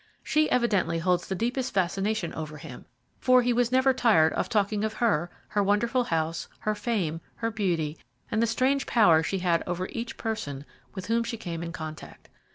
She evidently holds the deepest fascination over him, for he was never tired of talking of her, her wonderful house, her fame, her beauty, and the strange power she had over each person with whom she came in contact.